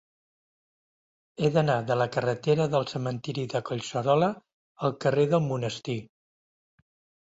He d'anar de la carretera del Cementiri de Collserola al carrer del Monestir.